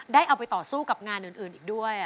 ได้เอาไปต่อสู้กับงานอื่นอีกด้วย